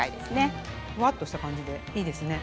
ふわっとした感じでいいですね。